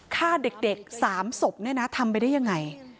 ฆ่าเด็ก๓ศพเนี่ยนะทำไปได้ยังไง